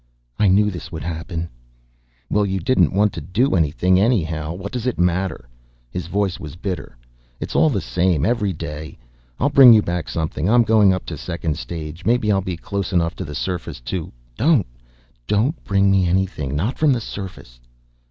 "I knew this would happen." "Well, you didn't want to do anything, anyhow. What does it matter?" His voice was bitter. "It's all the same, every day. I'll bring you back something. I'm going up to second stage. Maybe I'll be close enough to the surface to " "Don't! Don't bring me anything! Not from the surface!"